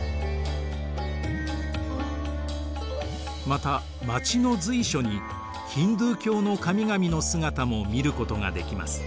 また街の随所にヒンドゥー教の神々の姿も見ることができます。